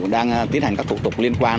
đang tiến hành các cục tục liên quan